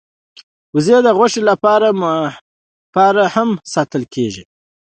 وزې د غوښې لپاره هم ساتل کېږي